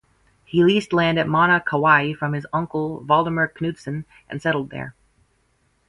He leased land at Mana, Kauai from his uncle, Valdemar Knudsen, and settled there.